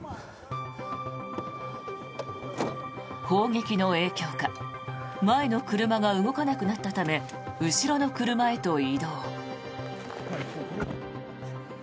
砲撃の影響か前の車が動かなくなったため後ろの車へと移動。